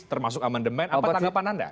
termasuk amandemen apa tanggapan anda